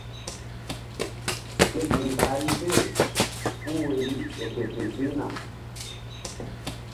Ke ziŋ ɓahri se puh woyri ƴo ke fe ziŋna.